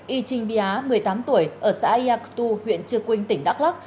y trinh biá một mươi tám tuổi ở xã yactu huyện trường quynh tỉnh đắk lắc